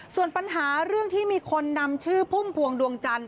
ส่วนปัญหาเรื่องที่มีคนนำชื่อพุ่มพวงดวงจันทร์